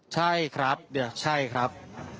ใช่ครับเดี๋ยวใช่ครับ